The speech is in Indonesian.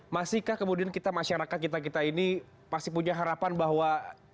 masihkah kemudian kita masyarakat kita kita ini pasti punya harapan bahwa